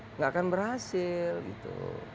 tidak akan berhasil gitu